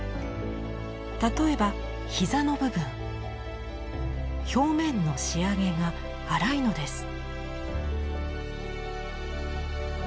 例えば膝の部分表面の仕上げが粗いのです。